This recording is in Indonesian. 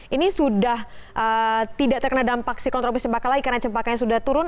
ini sudah tidak terkena dampak siklon tropis jempaka lagi karena jempaka yang sudah turun